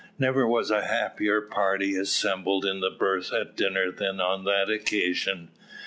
Never was a happier party assembled in the berth at dinner than on that occasion.